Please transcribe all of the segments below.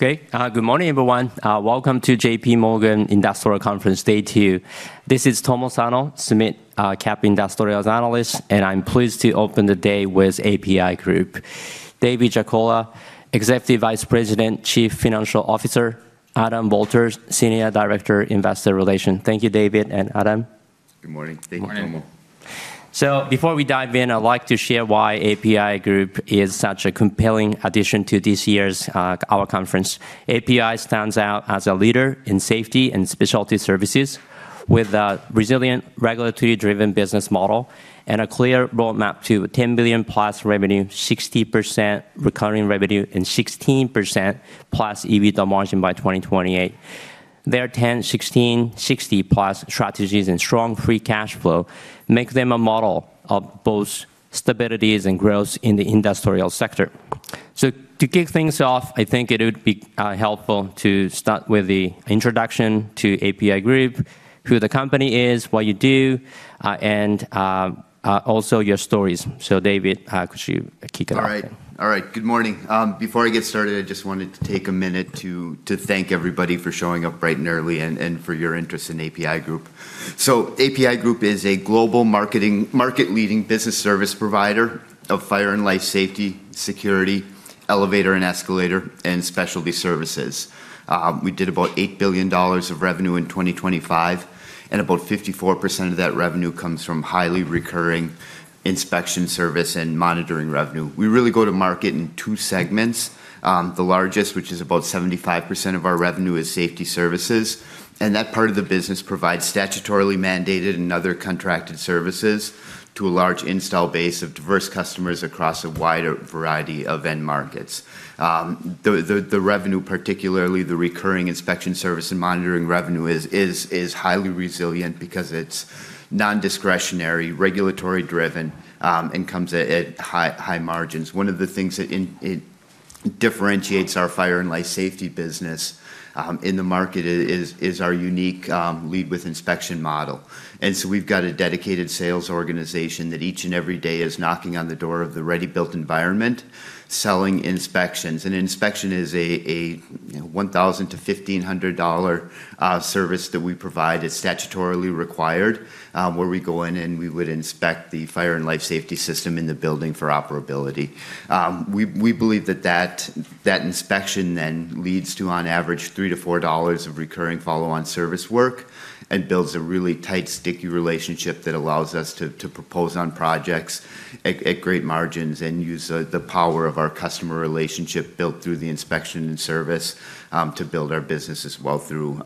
Okay. Good morning, everyone. Welcome to J.P. Morgan Industrials Conference, day two. This is Tami Shen, Sumit, JPMorgan industrials analyst, and I'm pleased to open the day with APi Group. David Jackola, Executive Vice President, Chief Financial Officer, Adam Walters, Senior Director, Investor Relations. Thank you, David and Adam. Good morning. Good morning. Thank you, Tami. Before we dive in, I'd like to share why APi Group is such a compelling addition to this year's, our conference. APi stands out as a leader in safety and specialty services with a resilient, regulatory-driven business model and a clear roadmap to $10 billion+ revenue, 60% recurring revenue, and 16%+ EBITDA margin by 2028. Their 10/16/60+ strategies and strong free cash flow make them a model of both stability and growth in the industrial sector. To kick things off, I think it would be helpful to start with the introduction to APi Group, who the company is, what you do, and also your stories. David, could you kick it off, please? All right. Good morning. Before I get started, I just wanted to take a minute to thank everybody for showing up bright and early and for your interest in APi Group. APi Group is a global market-leading business service provider of fire and life safety, security, elevator and escalator, and specialty services. We did about $8 billion of revenue in 2025, and about 54% of that revenue comes from highly recurring inspection service and monitoring revenue. We really go to market in two segments. The largest, which is about 75% of our revenue, is safety services. That part of the business provides statutorily mandated and other contracted services to a large install base of diverse customers across a wide variety of end markets. The revenue, particularly the recurring inspection service and monitoring revenue, is highly resilient because it's non-discretionary, regulatory-driven, and comes at high margins. One of the things that it differentiates our fire and life safety business in the market is our unique lead with inspection model. We've got a dedicated sales organization that each and every day is knocking on the door of the ready-built environment, selling inspections. An inspection is a $1,000-$1,500 service that we provide. It's statutorily required, where we go in and we would inspect the fire and life safety system in the building for operability. We believe that inspection then leads to on average $3-$4 of recurring follow-on service work and builds a really tight, sticky relationship that allows us to propose on projects at great margins and use the power of our customer relationship built through the inspection and service to build our business as well through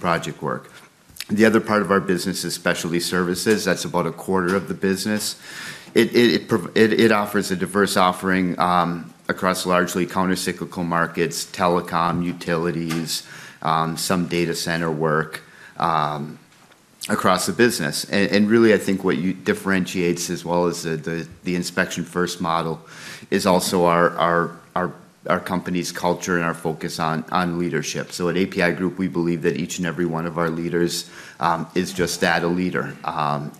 project work. The other part of our business is Specialty Services. That's about a quarter of the business. It offers a diverse offering across largely counter-cyclical markets, telecom, utilities, some data center work, across the business. Really, I think what differentiates as well as the inspection-first model is also our company's culture and our focus on leadership. At APi Group, we believe that each and every one of our leaders is just that, a leader.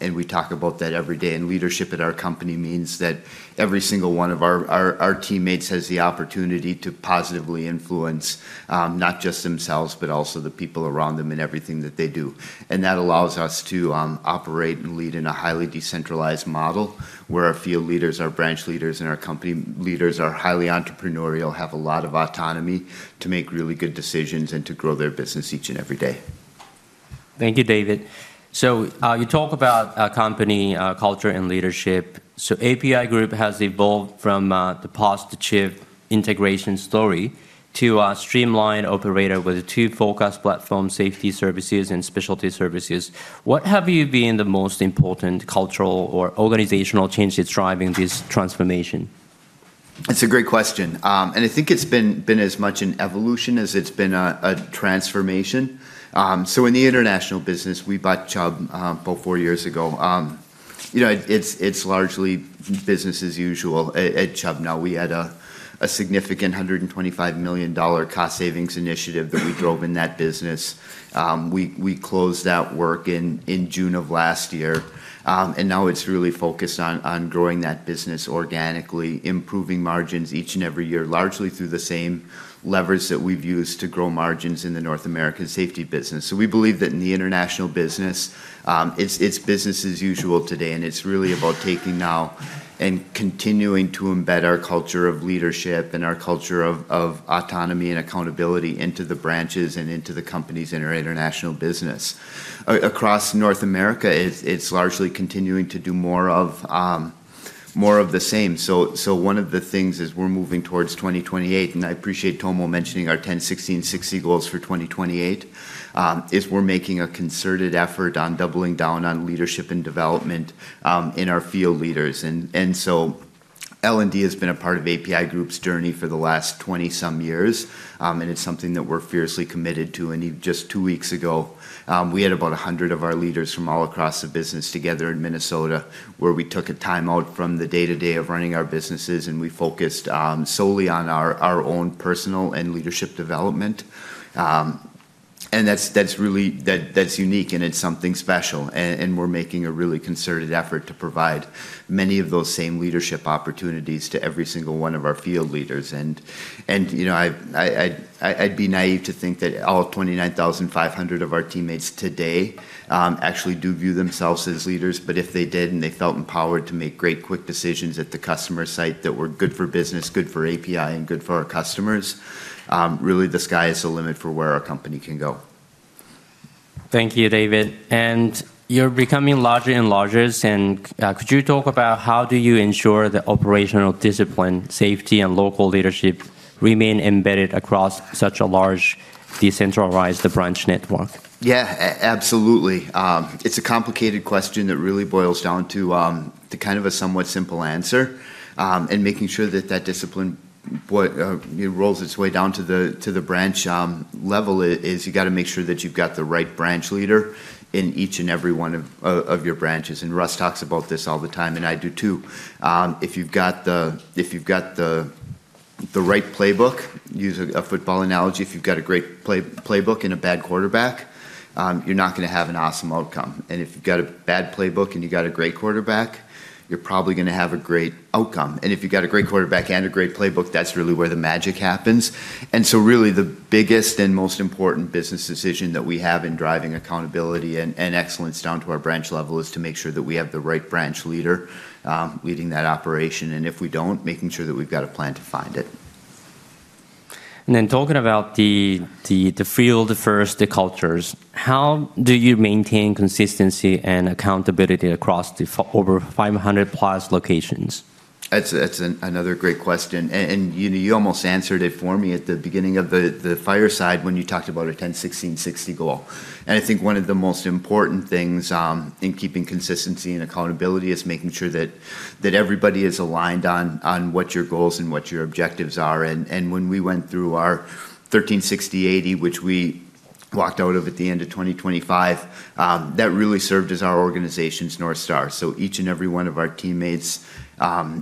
We talk about that every day. Leadership at our company means that every single one of our teammates has the opportunity to positively influence not just themselves, but also the people around them in everything that they do. That allows us to operate and lead in a highly decentralized model, where our field leaders, our branch leaders, and our company leaders are highly entrepreneurial, have a lot of autonomy to make really good decisions and to grow their business each and every day. Thank you, David. You talk about company culture and leadership. APi Group has evolved from the positive integration story to a streamlined operator with a two-focused platform, Safety Services and Specialty Services. What have you been the most important cultural or organizational change that's driving this transformation? It's a great question. I think it's been as much an evolution as it's been a transformation. In the international business, we bought Chubb about four years ago. You know, it's largely business as usual at Chubb now. We had a significant $125 million cost savings initiative that we drove in that business. We closed that work in June of last year. Now it's really focused on growing that business organically, improving margins each and every year, largely through the same levers that we've used to grow margins in the North American safety business. We believe that in the international business, it's business as usual today, and it's really about taking now and continuing to embed our culture of leadership and our culture of autonomy and accountability into the branches and into the companies in our international business. Across North America, it's largely continuing to do more of the same. One of the things as we're moving towards 2028, and I appreciate Tami mentioning our 10/16/60 goals for 2028, is we're making a concerted effort on doubling down on leadership and development in our field leaders. L&D has been a part of APi Group's journey for the last 20-some years, and it's something that we're fiercely committed to. Just two weeks ago, we had about 100 of our leaders from all across the business together in Minnesota, where we took a time out from the day-to-day of running our businesses, and we focused solely on our own personal and leadership development. That's really unique, and it's something special. We're making a really concerted effort to provide many of those same leadership opportunities to every single one of our field leaders. You know, I'd be naive to think that all 29,500 of our teammates today actually do view themselves as leaders. If they did, and they felt empowered to make great, quick decisions at the customer site that were good for business, good for APi, and good for our customers, really the sky is the limit for where our company can go. Thank you, David. You're becoming larger and larger, and could you talk about how do you ensure the operational discipline, safety, and local leadership remain embedded across such a large decentralized branch network? Yeah, absolutely. It's a complicated question that really boils down to kind of a somewhat simple answer, and making sure that that discipline, boy, it rolls its way down to the branch level is you gotta make sure that you've got the right branch leader in each and every one of your branches. Russ talks about this all the time, and I do too. If you've got the right playbook, use a football analogy, if you've got a great playbook and a bad quarterback, you're not gonna have an awesome outcome. If you've got a bad playbook and you got a great quarterback, you're probably gonna have a great outcome. If you've got a great quarterback and a great playbook, that's really where the magic happens. Really the biggest and most important business decision that we have in driving accountability and excellence down to our branch level is to make sure that we have the right branch leader leading that operation, and if we don't, making sure that we've got a plan to find it. Talking about the field first cultures, how do you maintain consistency and accountability across over 500+ locations? That's another great question. You almost answered it for me at the beginning of the fireside when you talked about our 10/16/60 goal. I think one of the most important things in keeping consistency and accountability is making sure that everybody is aligned on what your goals and what your objectives are. When we went through our 13/60/80, which we walked out of at the end of 2025, that really served as our organization's North Star. Each and every one of our teammates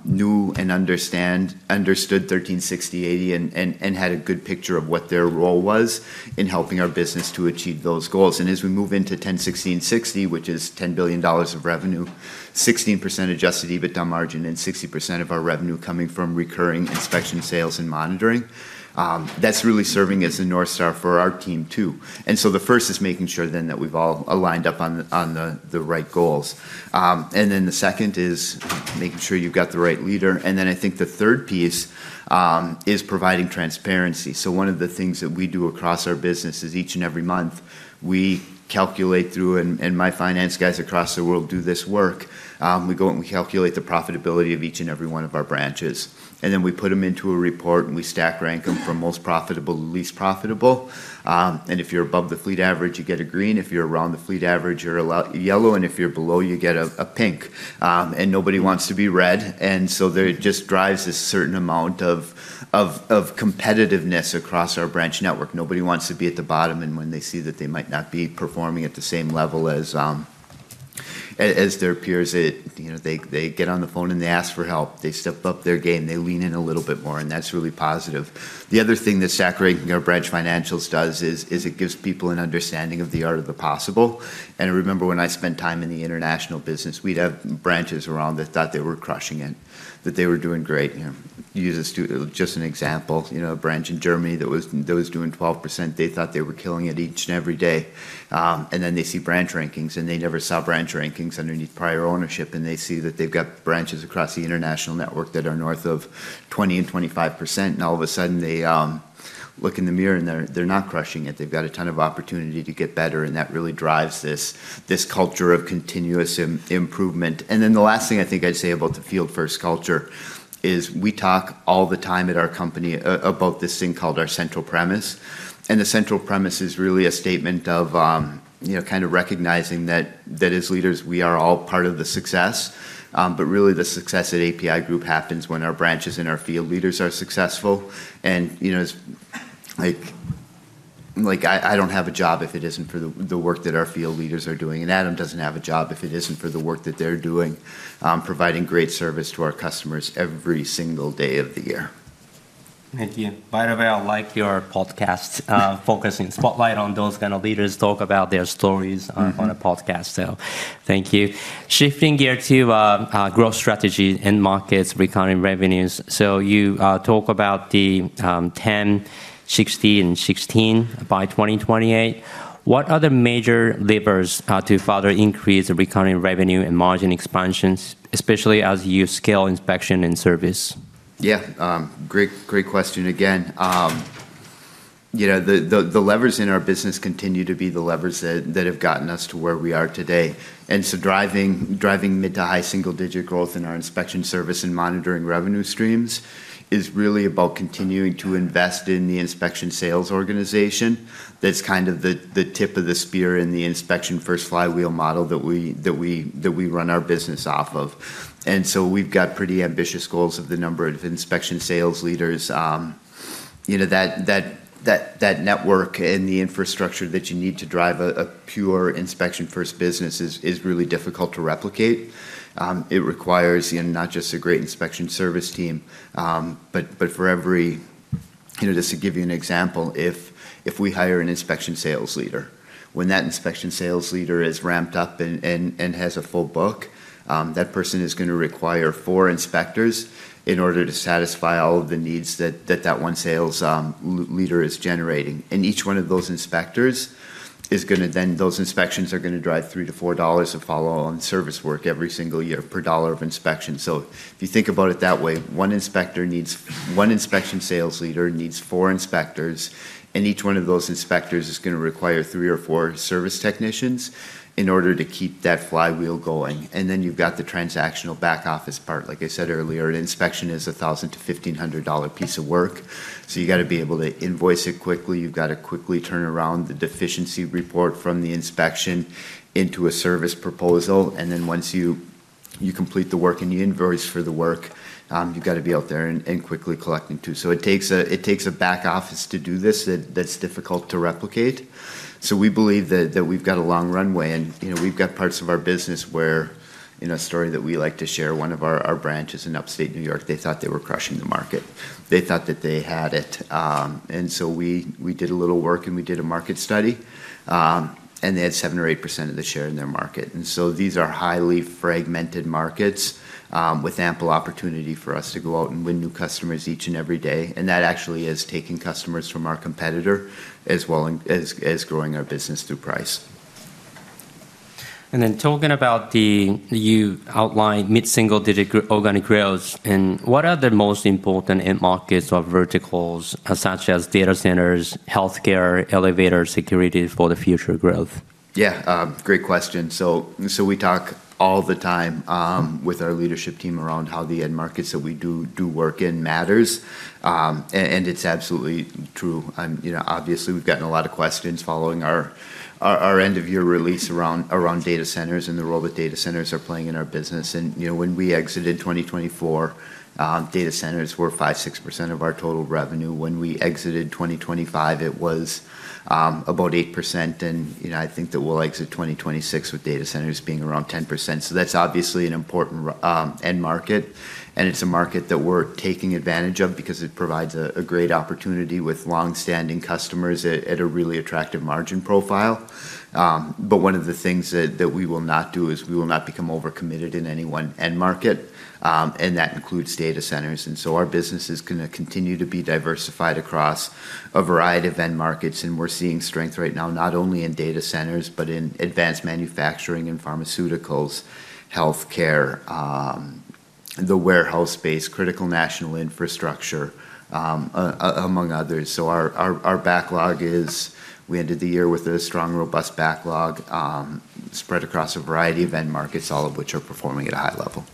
knew and understood 13/60/80 and had a good picture of what their role was in helping our business to achieve those goals. As we move into 10/16/60, which is $10 billion of revenue, 16% adjusted EBITDA margin, and 60% of our revenue coming from recurring inspection sales and monitoring, that's really serving as the North Star for our team too. The first is making sure that we've all aligned up on the right goals. The second is making sure you've got the right leader. I think the third piece is providing transparency. One of the things that we do across our business is each and every month, we calculate through, and my finance guys across the world do this work, we go and we calculate the profitability of each and every one of our branches. Then we put them into a report, and we stack rank them from most profitable to least profitable. If you're above the fleet average, you get a green. If you're around the fleet average, you're yellow, and if you're below, you get a pink. Nobody wants to be red. There it just drives this certain amount of competitiveness across our branch network. Nobody wants to be at the bottom, and when they see that they might not be performing at the same level as their peers, you know, they get on the phone, and they ask for help. They step up their game. They lean in a little bit more, and that's really positive. The other thing that stack ranking our branch financials does is it gives people an understanding of the art of the possible. I remember when I spent time in the international business, we'd have branches around that thought they were crushing it, that they were doing great. You know, just an example, you know, a branch in Germany that was doing 12%, they thought they were killing it each and every day. They see branch rankings, and they never saw branch rankings underneath prior ownership, and they see that they've got branches across the international network that are north of 20% and 25%. All of a sudden, they look in the mirror, and they're not crushing it. They've got a ton of opportunity to get better, and that really drives this culture of continuous improvement. The last thing I think I'd say about the field-first culture is we talk all the time at our company about this thing called our central premise. The central premise is really a statement of, you know, kind of recognizing that as leaders, we are all part of the success. Really the success at APi Group happens when our branches and our field leaders are successful. You know, it's like I don't have a job if it isn't for the work that our field leaders are doing, and Adam doesn't have a job if it isn't for the work that they're doing, providing great service to our customers every single day of the year. Thank you. By the way, I like your podcast, focusing spotlight on those kind of leaders talk about their stories. Mm-hmm. on a podcast. Thank you. Shifting gear to growth strategy, end markets, recurring revenues. You talk about the 10/16/60+ by 2028. What are the major levers to further increase the recurring revenue and margin expansions, especially as you scale inspection and service? Yeah. Great question again. You know, the levers in our business continue to be the levers that have gotten us to where we are today. Driving mid- to high single-digit growth in our inspection service and monitoring revenue streams is really about continuing to invest in the inspection sales organization. That's kind of the tip of the spear in the inspection-first flywheel model that we run our business off of. We've got pretty ambitious goals of the number of inspection sales leaders. You know, that network and the infrastructure that you need to drive a pure inspection-first business is really difficult to replicate. It requires, you know, not just a great inspection service team. You know, just to give you an example, if we hire an inspection sales leader, when that inspection sales leader is ramped up and has a full book, that person is gonna require four inspectors in order to satisfy all of the needs that one sales leader is generating. Those inspections are gonna drive $3-$4 of follow-on service work every single year per $1 of inspection. If you think about it that way, one inspection sales leader needs four inspectors, and each one of those inspectors is gonna require three or four service technicians in order to keep that flywheel going. You've got the transactional back office part. Like I said earlier, an inspection is $1,000-$1,500 piece of work, so you gotta be able to invoice it quickly. You've gotta quickly turn around the deficiency report from the inspection into a service proposal. Then once you complete the work and you invoice for the work, you've gotta be out there and quickly collecting too. It takes a back office to do this that's difficult to replicate. We believe that we've got a long runway and, you know, we've got parts of our business where you know, a story that we like to share, one of our branches in Upstate New York, they thought they were crushing the market. They thought that they had it, and so we did a little work, and we did a market study, and they had 7 or 8% of the share in their market. These are highly fragmented markets, with ample opportunity for us to go out and win new customers each and every day. That actually is taking customers from our competitor as well as growing our business through price. You outlined mid-single-digit organic growth. What are the most important end markets or verticals such as data centers, healthcare, elevator security for the future growth? Yeah. Great question. We talk all the time with our leadership team around how the end markets that we do work in matters. It's absolutely true. You know, obviously, we've gotten a lot of questions following our end of year release around data centers and the role that data centers are playing in our business. You know, when we exited 2024, data centers were 5-6% of our total revenue. When we exited 2025, it was about 8%. You know, I think that we'll exit 2026 with data centers being around 10%. That's obviously an important end market, and it's a market that we're taking advantage of because it provides a great opportunity with long-standing customers at a really attractive margin profile. One of the things that we will not do is we will not become overcommitted in any one end market, and that includes data centers. Our business is gonna continue to be diversified across a variety of end markets, and we're seeing strength right now, not only in data centers, but in advanced manufacturing and pharmaceuticals, healthcare, the warehouse space, critical national infrastructure, among others. We ended the year with a strong, robust backlog, spread across a variety of end markets, all of which are performing at a high level.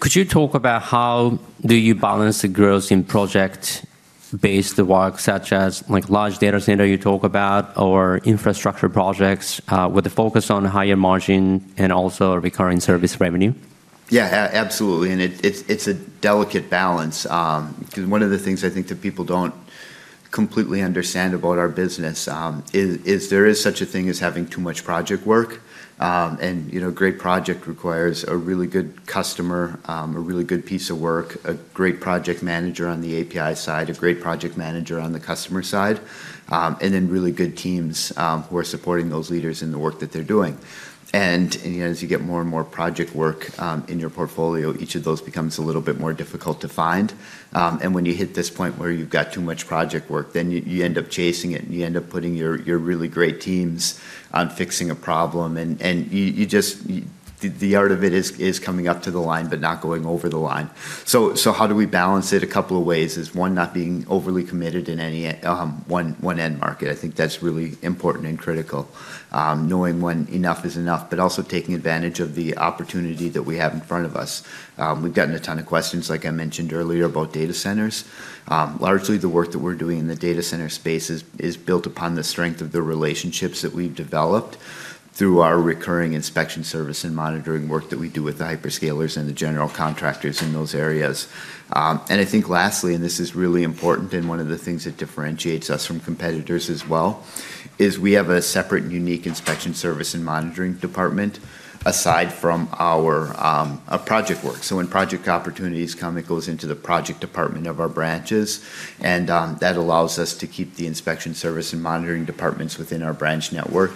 Could you talk about how you balance the growth in project-based work, such as like large data center you talk about or infrastructure projects, with the focus on higher margin and also recurring service revenue? Yeah. Absolutely. It’s a delicate balance, ‘cause one of the things I think that people don’t completely understand about our business is there is such a thing as having too much project work. You know, a great project requires a really good customer, a really good piece of work, a great project manager on the APi side, a great project manager on the customer side, and then really good teams who are supporting those leaders in the work that they’re doing. You know, as you get more and more project work in your portfolio, each of those becomes a little bit more difficult to find. When you hit this point where you've got too much project work, then you end up chasing it, and you end up putting your really great teams on fixing a problem. You just, the art of it is coming up to the line, but not going over the line. How do we balance it? A couple of ways is, one, not being overly committed in any one end market. I think that's really important and critical, knowing when enough is enough, but also taking advantage of the opportunity that we have in front of us. We've gotten a ton of questions, like I mentioned earlier, about data centers. Largely the work that we're doing in the data center space is built upon the strength of the relationships that we've developed through our recurring inspection service and monitoring work that we do with the hyperscalers and the general contractors in those areas. I think lastly, and this is really important, and one of the things that differentiates us from competitors as well, is we have a separate, unique inspection service and monitoring department aside from our project work. When project opportunities come, it goes into the project department of our branches, and that allows us to keep the inspection service and monitoring departments within our branch network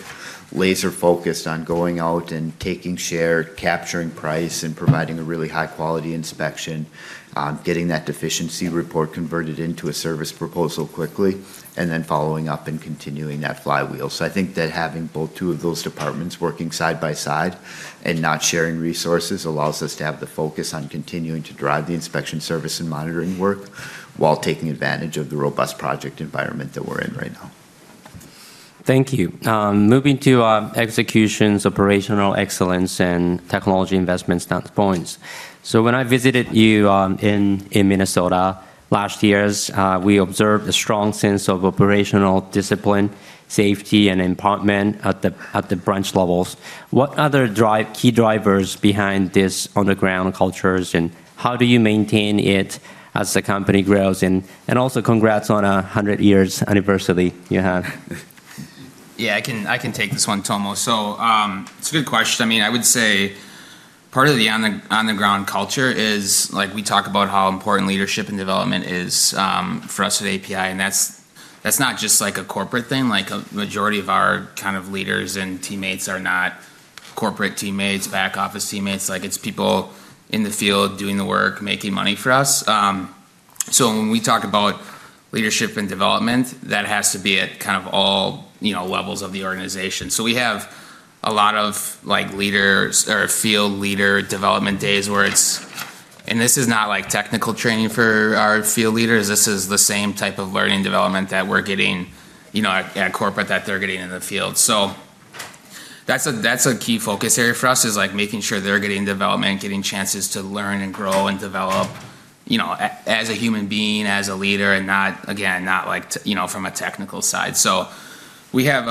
laser-focused on going out and taking share, capturing price, and providing a really high-quality inspection, getting that deficiency report converted into a service proposal quickly, and then following up and continuing that flywheel. I think that having both of those departments working side by side and not sharing resources allows us to have the focus on continuing to drive the inspection service and monitoring work while taking advantage of the robust project environment that we're in right now. Thank you. Moving to executions, operational excellence, and technology investments data points. When I visited you in Minnesota last year, we observed a strong sense of operational discipline, safety, and empowerment at the branch levels. What other key drivers behind this on-the-ground culture, and how do you maintain it as the company grows? Also, congrats on 100-year anniversary you have. Yeah, I can take this one, Tami. It's a good question. I mean, I would say part of the ground culture is, like, we talk about how important leadership and development is for us at APi, and that's not just, like, a corporate thing. Like, a majority of our kind of leaders and teammates are not corporate teammates, back office teammates. Like, it's people in the field doing the work, making money for us. When we talk about leadership and development, that has to be at kind of all, you know, levels of the organization. We have a lot of, like, leaders or field leader development days where it's. This is not, like, technical training for our field leaders. This is the same type of learning development that we're getting, you know, at corporate that they're getting in the field. That's a key focus area for us, is, like, making sure they're getting development, getting chances to learn and grow and develop, you know, as a human being, as a leader, and not again, not like, you know, from a technical side. We have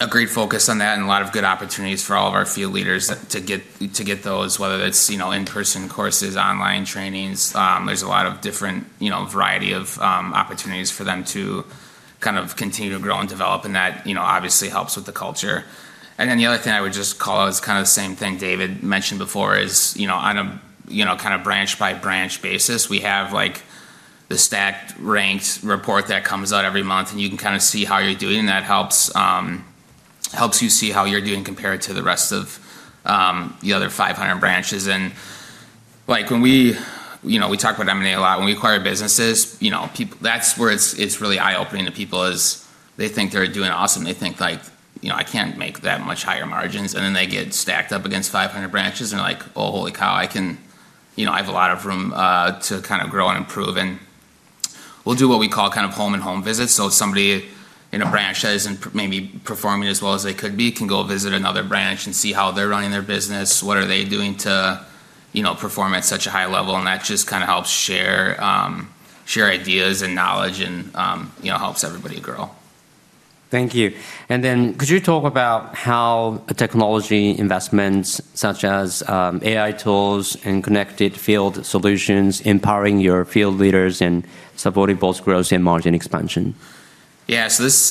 a great focus on that and a lot of good opportunities for all of our field leaders to get those, whether that's, you know, in-person courses, online trainings. There's a lot of different, you know, variety of, opportunities for them to kind of continue to grow and develop, and that, you know, obviously helps with the culture. The other thing I would just call is kind of the same thing David mentioned before, is you know on a you know kind of branch by branch basis, we have, like, the stacked ranked report that comes out every month, and you can kind of see how you're doing. That helps you see how you're doing compared to the rest of the other 500 branches. Like, you know, we talk about M&A a lot. When we acquire businesses, you know, that's where it's really eye-opening to people is they think they're doing awesome. They think like, you know, "I can't make that much higher margins," and then they get stacked up against 500 branches and they're like, "Oh, holy cow, I can. You know, I have a lot of room to kind of grow and improve." We'll do what we call kind of home and home visits. Somebody in a branch that isn't maybe performing as well as they could be can go visit another branch and see how they're running their business, what are they doing to, you know, perform at such a high level, and that just kind of helps share ideas and knowledge and, you know, helps everybody grow. Thank you. Could you talk about how technology investments such as AI tools and connected field solutions empowering your field leaders and supporting both growth and margin expansion? Yeah. This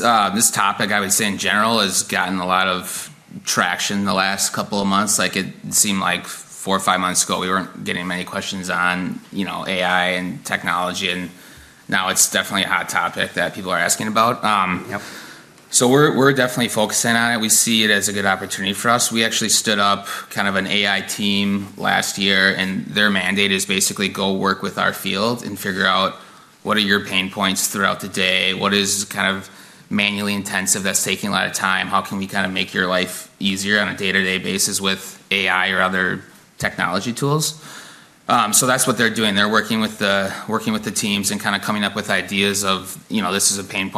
topic, I would say in general, has gotten a lot of traction the last couple of months. Like, it seemed like four or five months ago we weren't getting many questions on, you know, AI and technology, and now it's definitely a hot topic that people are asking about. Yep. We're definitely focusing on it. We see it as a good opportunity for us. We actually stood up kind of an AI team last year, and their mandate is basically go work with our field and figure out what are your pain points throughout the day, what is kind of manually intensive that's taking a lot of time, how can we kind of make your life easier on a day-to-day basis with AI or other technology tools. That's what they're doing. They're working with the teams and kind of coming up with ideas of, you know, this is a pain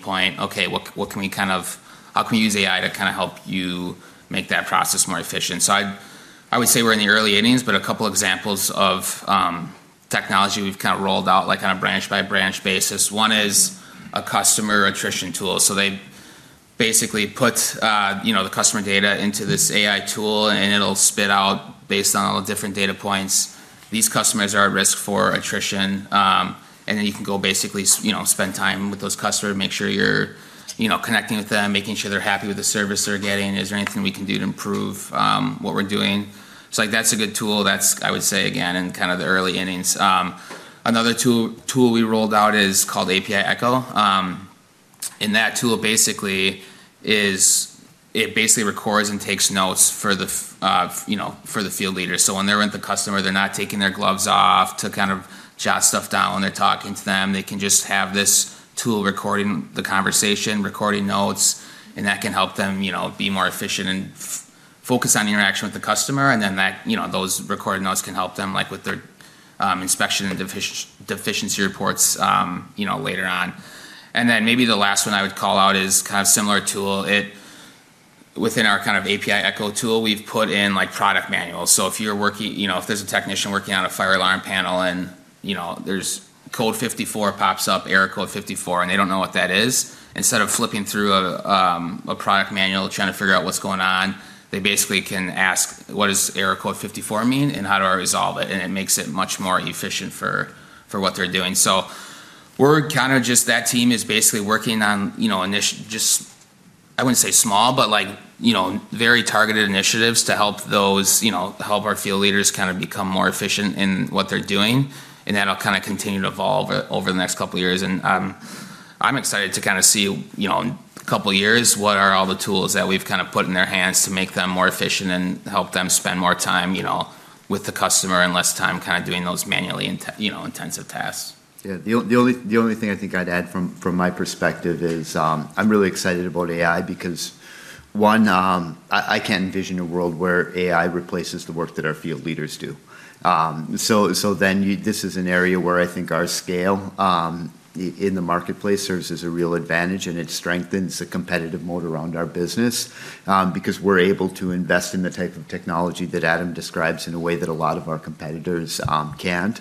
point. Okay, what can we kind of use AI to help you make that process more efficient? I would say we're in the early innings, but a couple examples of technology we've kind of rolled out, like, on a branch by branch basis. One is a customer attrition tool. They basically put, you know, the customer data into this AI tool, and it'll spit out based on all the different data points, these customers are at risk for attrition. And then you can go basically you know, spend time with those customers, make sure you're, you know, connecting with them, making sure they're happy with the service they're getting. Is there anything we can do to improve what we're doing? Like, that's a good tool. That's, I would say, again, in kind of the early innings. Another tool we rolled out is called APi Echo. And that tool basically is. It basically records and takes notes for the field leaders. When they're with the customer, they're not taking their gloves off to kind of jot stuff down when they're talking to them. They can just have this tool recording the conversation, recording notes, and that can help them, you know, be more efficient and focus on the interaction with the customer and then that, you know, those recorded notes can help them, like, with their inspection and deficiency reports, you know, later on. Maybe the last one I would call out is kind of similar tool. Within our kind of APi Echo tool, we've put in, like, product manuals. If you're working, you know, if there's a technician working on a fire alarm panel and, you know, there's code 54 pops up, error code 54, and they don't know what that is, instead of flipping through a product manual trying to figure out what's going on, they basically can ask, "What does error code 54 mean, and how do I resolve it?" It makes it much more efficient for what they're doing. We're kind of just... That team is basically working on, you know, just, I wouldn't say small, but like, you know, very targeted initiatives to help those, you know, help our field leaders kind of become more efficient in what they're doing, and that'll kind of continue to evolve over the next couple of years. I'm excited to kind of see, you know, in a couple of years what are all the tools that we've kind of put in their hands to make them more efficient and help them spend more time, you know, with the customer and less time kind of doing those manually intensive tasks. Yeah. The only thing I think I'd add from my perspective is, I'm really excited about AI because one, I can't envision a world where AI replaces the work that our field leaders do. This is an area where I think our scale in the marketplace serves as a real advantage, and it strengthens the competitive moat around our business because we're able to invest in the type of technology that Adam describes in a way that a lot of our competitors can't.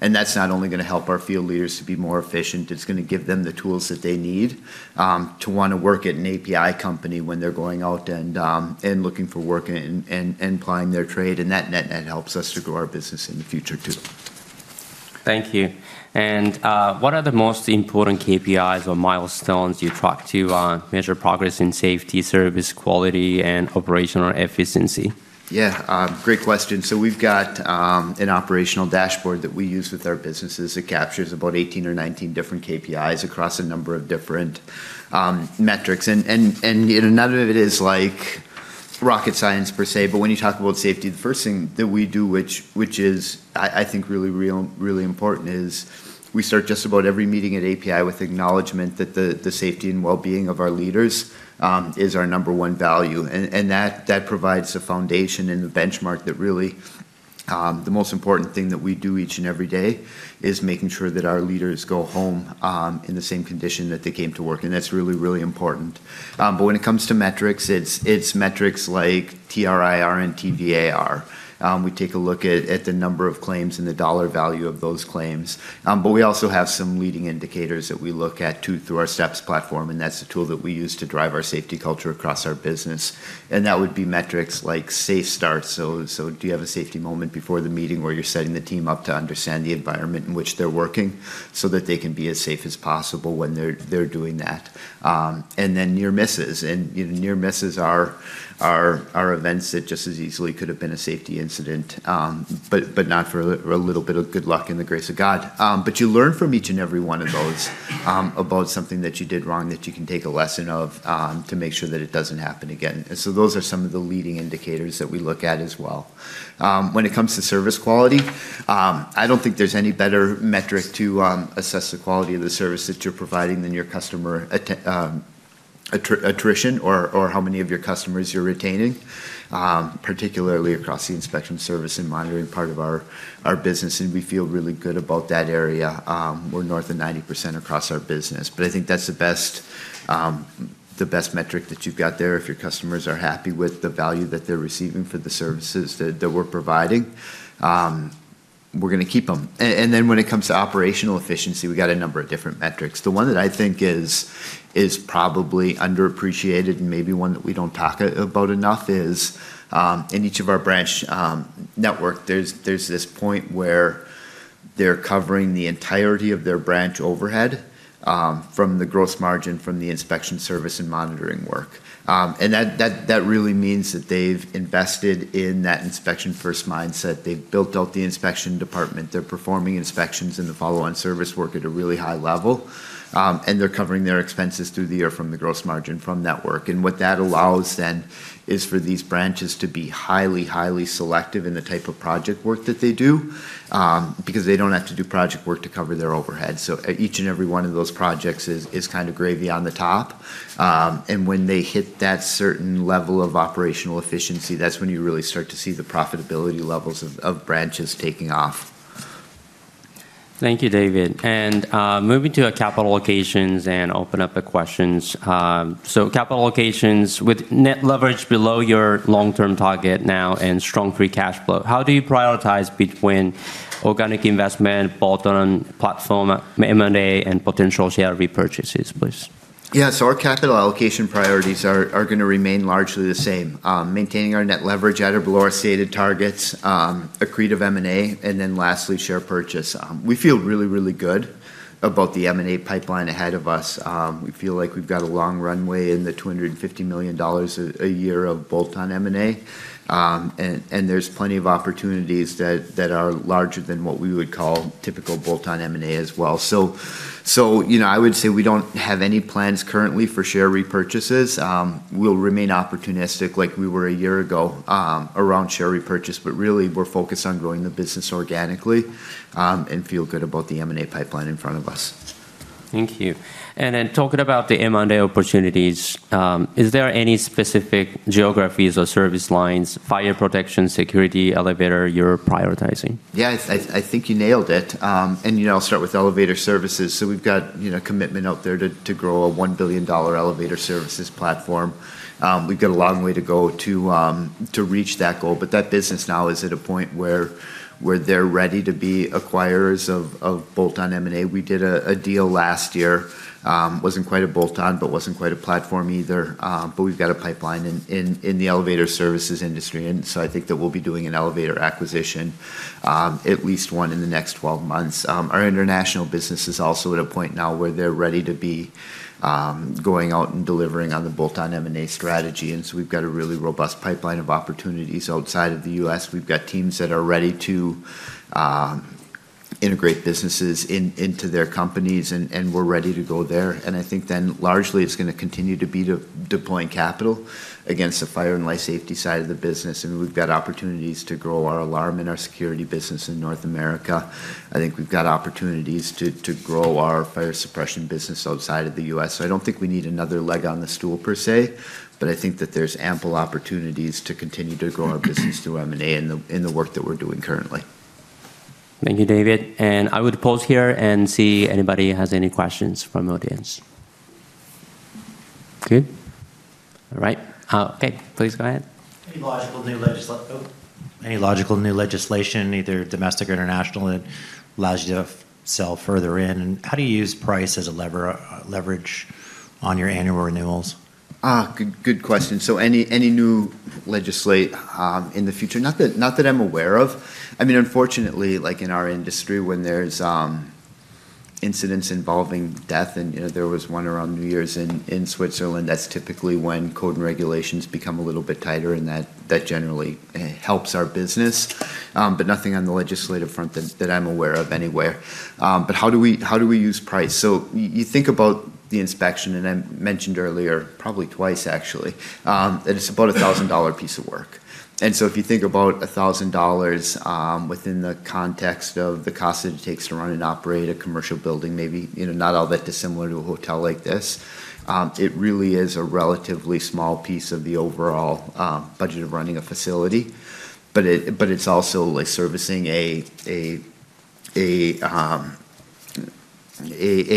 That's not only gonna help our field leaders to be more efficient, it's gonna give them the tools that they need to wanna work at an APi company when they're going out and looking for work and plying their trade, and that, in turn, helps us to grow our business in the future too. Thank you. What are the most important KPIs or milestones you track to measure progress in safety, service quality, and operational efficiency? Yeah, great question. We've got an operational dashboard that we use with our businesses. It captures about 18 or 19 different KPIs across a number of different metrics. None of it is, like, rocket science per se, but when you talk about safety, the first thing that we do, which is, I think, really important, is we start just about every meeting at APi with acknowledgment that the safety and wellbeing of our leaders is our number one value. That provides a foundation and a benchmark that really, the most important thing that we do each and every day is making sure that our leaders go home in the same condition that they came to work, and that's really, really important. When it comes to metrics, it's metrics like TRIR and DART. We take a look at the number of claims and the dollar value of those claims. We also have some leading indicators that we look at too through our Steps platform, and that's the tool that we use to drive our safety culture across our business. That would be metrics like safe start. Do you have a safety moment before the meeting where you're setting the team up to understand the environment in which they're working so that they can be as safe as possible when they're doing that? Near misses. Near misses are events that just as easily could have been a safety incident, but not for a little bit of good luck and the grace of God. You learn from each and every one of those, about something that you did wrong that you can take a lesson of, to make sure that it doesn't happen again. Those are some of the leading indicators that we look at as well. When it comes to service quality, I don't think there's any better metric to assess the quality of the service that you're providing than your customer attrition or how many of your customers you're retaining, particularly across the inspection service and monitoring part of our business. We feel really good about that area. We're north of 90% across our business. I think that's the best metric that you've got there. If your customers are happy with the value that they're receiving for the services that we're providing, we're gonna keep them. When it comes to operational efficiency, we got a number of different metrics. The one that I think is probably underappreciated and maybe one that we don't talk about enough is in each of our branch network, there's this point where they're covering the entirety of their branch overhead from the gross margin from the inspection service and monitoring work. That really means that they've invested in that Inspection First mindset. They've built out the inspection department. They're performing inspections and the follow-on service work at a really high level, and they're covering their expenses through the year from the gross margin from that work. What that allows then is for these branches to be highly selective in the type of project work that they do, because they don't have to do project work to cover their overhead. Each and every one of those projects is kind of gravy on the top. When they hit that certain level of operational efficiency, that's when you really start to see the profitability levels of branches taking off. Thank you, David. Moving to our capital allocations and opening up the questions. Capital allocations, with net leverage below your long-term target now and strong free cash flow, how do you prioritize between organic investment, bolt-on platform M&A, and potential share repurchases, please? Yeah. Our capital allocation priorities are gonna remain largely the same. Maintaining our net leverage at or below our stated targets, accretive M&A, and then lastly, share purchase. We feel really, really good about the M&A pipeline ahead of us. We feel like we've got a long runway in the $250 million a year of bolt-on M&A. And there's plenty of opportunities that are larger than what we would call typical bolt-on M&A as well. You know, I would say we don't have any plans currently for share repurchases. We'll remain opportunistic like we were a year ago, around share repurchase, but really we're focused on growing the business organically, and feel good about the M&A pipeline in front of us. Thank you. Talking about the M&A opportunities, is there any specific geographies or service lines, fire protection, security, elevator, you're prioritizing? Yeah. I think you nailed it. You know, I'll start with elevator services. We've got, you know, commitment out there to grow a $1 billion elevator services platform. We've got a long way to go to reach that goal, but that business now is at a point where they're ready to be acquirers of bolt-on M&A. We did a deal last year, wasn't quite a bolt-on, but wasn't quite a platform either. But we've got a pipeline in the elevator services industry, and so I think that we'll be doing an elevator acquisition, at least one in the next 12 months. Our international business is also at a point now where they're ready to be going out and delivering on the bolt-on M&A strategy, and so we've got a really robust pipeline of opportunities outside of the U.S. We've got teams that are ready to integrate businesses into their companies, and we're ready to go there. I think then largely it's gonna continue to be deploying capital against the fire and life safety side of the business, and we've got opportunities to grow our alarm and our security business in North America. I think we've got opportunities to grow our fire suppression business outside of the U.S. I don't think we need another leg on the stool per se, but I think that there's ample opportunities to continue to grow our business through M&A in the work that we're doing currently. Thank you, David. I would pause here and see if anybody has any questions from the audience. Good. All right. Okay. Please go ahead. Any logical new legislation, either domestic or international, that allows you to sell further in? How do you use price as a leverage? On your annual renewals. Good question. Any new legislation in the future? Not that I'm aware of. I mean, unfortunately, like in our industry, when there's incidents involving death, and you know, there was one around New Year's in Switzerland, that's typically when codes and regulations become a little bit tighter, and that generally helps our business. Nothing on the legislative front that I'm aware of anywhere. How do we use price? You think about the inspection, and I mentioned earlier, probably twice actually, that it's about a $1,000 piece of work. If you think about $1,000 within the context of the cost that it takes to run and operate a commercial building, maybe, you know, not all that dissimilar to a hotel like this, it really is a relatively small piece of the overall budget of running a facility. But it's also like servicing a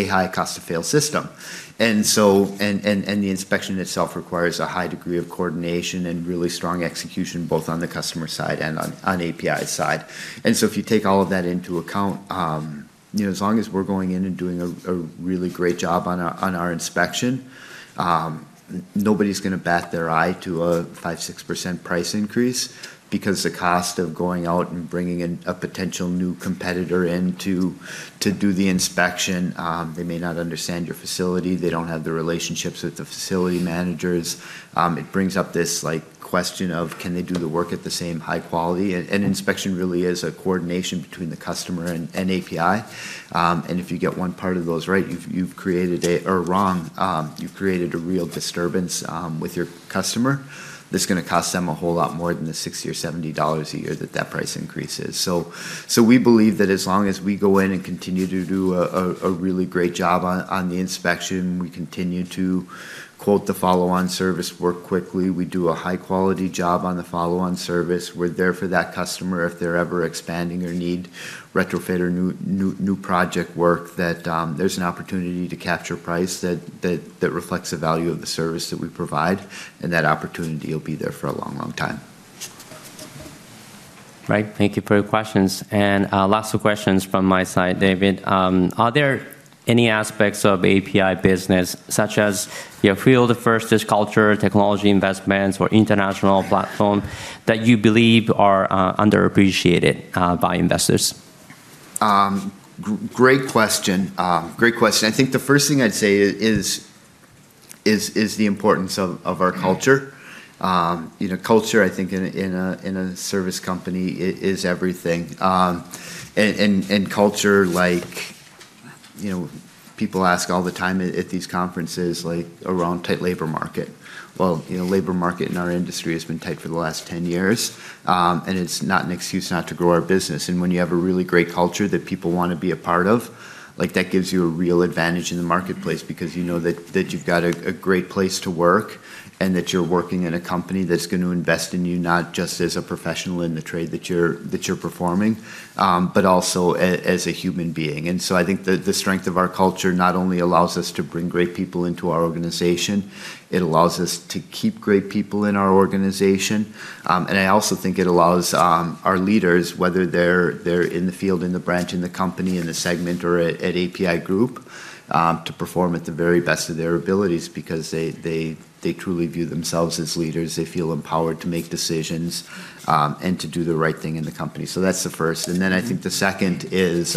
high cost of failure system. The inspection itself requires a high degree of coordination and really strong execution, both on the customer side and on APi's side. If you take all of that into account, you know, as long as we're going in and doing a really great job on our inspection, nobody's gonna bat an eye at a 5-6% price increase because the cost of going out and bringing in a potential new competitor to do the inspection, they may not understand your facility. They don't have the relationships with the facility managers. It brings up this, like, question of can they do the work at the same high quality. An inspection really is a coordination between the customer and APi. If you get one part of those right, you've created a or wrong, you've created a real disturbance with your customer that's gonna cost them a whole lot more than the $60 or $70 a year that that price increase is. We believe that as long as we go in and continue to do a really great job on the inspection, we continue to quote the follow-on service work quickly, we do a high quality job on the follow-on service, we're there for that customer if they're ever expanding or need retrofit or new project work, that there's an opportunity to capture price that reflects the value of the service that we provide, and that opportunity will be there for a long time. Right. Thank you for your questions. Lots of questions from my side, David. Are there any aspects of APi business such as your field, the first is culture, technology investments or international platform that you believe are underappreciated by investors? Great question. Great question. I think the first thing I'd say is the importance of our culture. You know, culture, I think in a service company is everything. Culture, like, you know, people ask all the time at these conferences like around tight labor market. Well, you know, labor market in our industry has been tight for the last 10 years, and it's not an excuse not to grow our business. When you have a really great culture that people wanna be a part of, like that gives you a real advantage in the marketplace because you know that you've got a great place to work and that you're working at a company that's gonna invest in you, not just as a professional in the trade that you're performing, but also as a human being. I think the strength of our culture not only allows us to bring great people into our organization, it allows us to keep great people in our organization. I also think it allows our leaders, whether they're in the field, in the branch, in the company, in a segment or at APi Group, to perform at the very best of their abilities because they truly view themselves as leaders. They feel empowered to make decisions and to do the right thing in the company. That's the first. I think the second is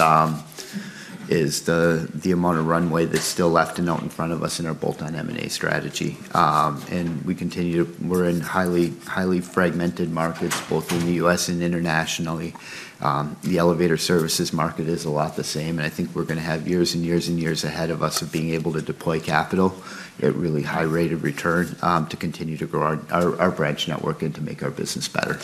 the amount of runway that's still left and out in front of us in our bolt-on M&A strategy. We're in highly fragmented markets, both in the U.S. and internationally. The elevator services market is a lot the same, and I think we're gonna have years and years and years ahead of us of being able to deploy capital at really high rate of return to continue to grow our branch network and to make our business better.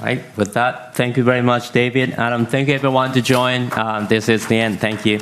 All right. With that, thank you very much, David, Adam. Thank you everyone who joined. This is the end. Thank you.